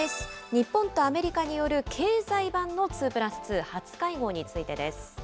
日本とアメリカによる経済版の２プラス２初会合についてです。